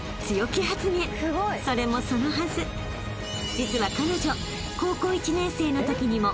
［実は彼女］